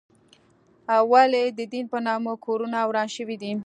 ولې د دین په نامه کورونه وران شوي دي؟